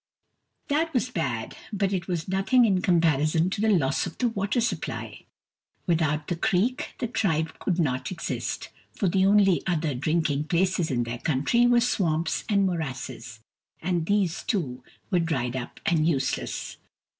That was bad, but it was nothing in comparison to the loss of the water supply. With out the creek, the tribe could not exist, for the only other drinking places in their country were swamps and morasses, and these, too, were dried up and useless.